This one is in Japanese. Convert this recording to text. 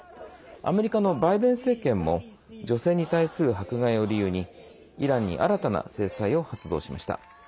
アメリカのバイデン政権も女性に対する迫害を理由にイランに新たな制裁を発動しました。